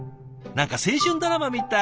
何か青春ドラマみたい！